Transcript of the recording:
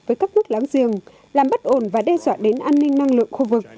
với các nước láng giềng làm bất ổn và đe dọa đến an ninh năng lượng khu vực